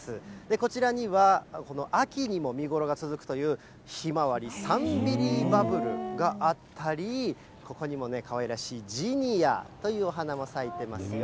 こちらにはこの秋にも見頃が続くというヒマワリ、サンビリーバブルがあったり、ここにもかわいらしいジニアというお花も咲いてますよ。